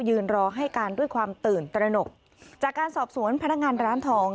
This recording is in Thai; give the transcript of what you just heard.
รอให้การด้วยความตื่นตระหนกจากการสอบสวนพนักงานร้านทอง